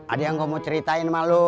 ada yang gue mau ceritain sama lo